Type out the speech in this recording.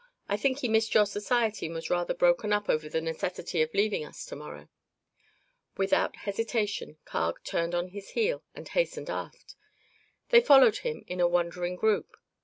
I think he missed your society and was rather broken up over the necessity of leaving us to morrow." Without hesitation Carg turned on his heel and hastened aft. They followed him in a wondering group.